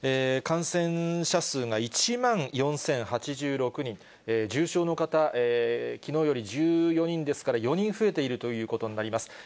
感染者数が１万４０８６人、重症の方、きのうより１４人ですから、４人増えているということになります。